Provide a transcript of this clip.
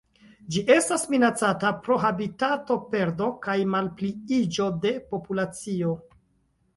Ĝi estas minacata pro habitatoperdo kaj malpliiĝo de populacio.